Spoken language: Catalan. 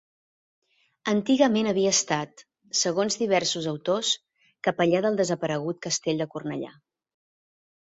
Antigament havia estat, segons diversos autors, capella del desaparegut castell de Cornellà.